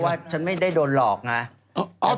เพราะว่าฉันไม่ได้โดนหลอกนะ